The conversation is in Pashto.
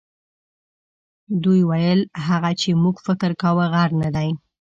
دوی ویل هغه چې موږ فکر کاوه غر نه دی.